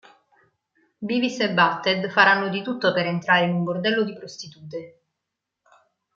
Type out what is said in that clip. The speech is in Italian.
Beavis e Butt-Head faranno di tutto per entrare in un bordello di prostitute.